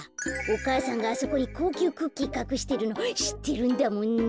お母さんがあそこにこうきゅうクッキーかくしてるのしってるんだもんね。